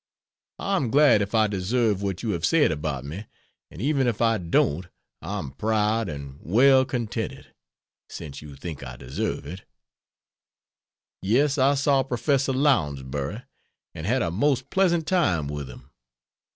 I am glad if I deserve what you have said about me: and even if I don't I am proud and well contented, since you think I deserve it. Yes, I saw Prof. Lounsbury, and had a most pleasant time with him.